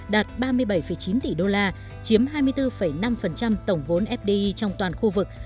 đạt ba mươi bảy chín tỷ usd chiếm hai mươi bốn năm tổng vốn fdi trong toàn khu vực